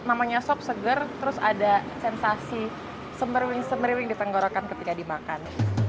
namanya sup seger terus ada sensasi sembar semarin ditenggorokan ketika dimakan